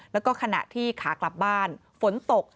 แล้วก็ขณะที่ขากลับบ้านฝนตก